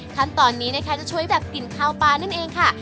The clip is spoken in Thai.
ขั้นตอนนี้นะคะจะช่วยแบบกลิ่นข้าวปลานั่นเองค่ะ